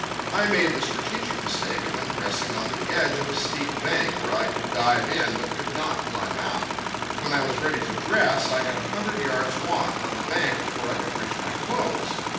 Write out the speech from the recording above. I made the strategic mistake of undressing on the edge of a steep bank where I could dive in but could not climb out. When I was ready to dress, I had a hundred yards' walk on the bank before I could reach my clothes.